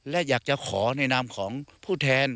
และอยากจะขอในนามของผู้แทน